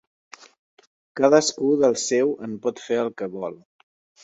Cadascú del seu en pot fer el que vol.